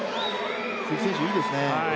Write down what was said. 鈴木選手、いいですね。